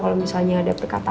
kalau misalnya ada perkembangan